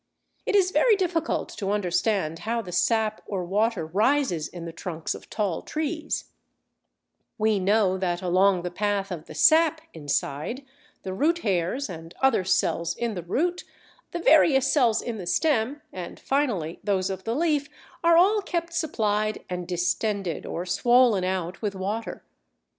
It is very difficult to understand how the sap or water rises in the trunks of tall trees; we know that along the path of the sap inside, the root hairs and other cells in the root, the various cells in the stem, and finally those of the leaf, are all kept supplied and distended or swollen out with water.